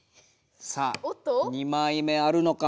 さあ２枚目あるのか。